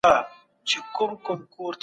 تر پایه به مې د سید قطب کتاب لوستی وي.